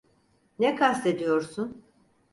Ne kastediyorsun?